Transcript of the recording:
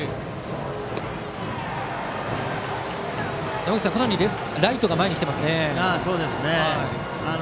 山口さん、かなりライトが前に来ていますね。